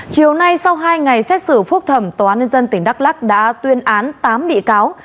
chiều nay sau hai ngày xét xử phúc thẩm tòa án nhân dân tỉnh đắk lắc đã tuyên án tám bị cáo